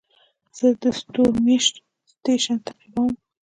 زه د ستورمېشت سټېشن تعقیبوم.